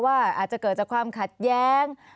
อาจจะเกิดจากความขัดแย้ง